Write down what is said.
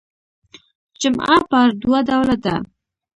جمعه پر دوه ډوله ده.